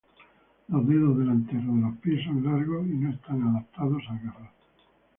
Los dedos delanteros de los pies son largos y no están adaptados a agarrar.